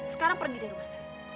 sekarang pergi dari rumah saya